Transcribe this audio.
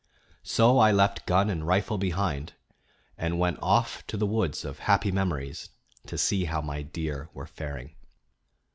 So I left gun and rifle behind, and went off to the woods of happy memories to see how my deer were faring.